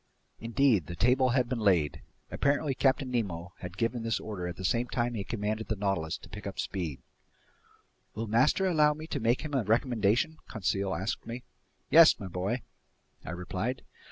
Indeed, the table had been laid. Apparently Captain Nemo had given this order at the same time he commanded the Nautilus to pick up speed. "Will master allow me to make him a recommendation?" Conseil asked me. "Yes, my boy," I replied.